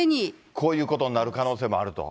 こういうことになる可能性もあると。